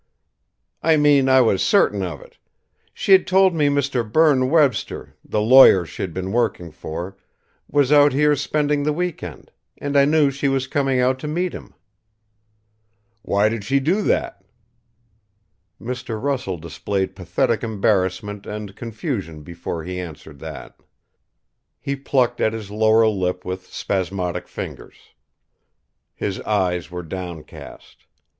"I mean I was certain of it. She'd told me Mr. Berne Webster, the lawyer she'd been working for, was out here spending the week end; and I knew she was coming out to meet him." "Why did she do that?" Mr. Russell displayed pathetic embarrassment and confusion before he answered that. He plucked at his lower lip with spasmodic fingers. His eyes were downcast.